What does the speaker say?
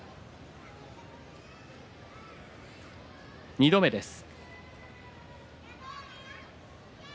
２度目です。